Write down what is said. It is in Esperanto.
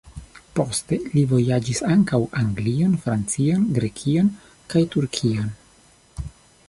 Poste li vojaĝis ankaŭ Anglion, Francion, Grekion kaj Turkion.